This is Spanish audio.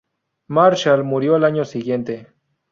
Marshall murió al año siguiente.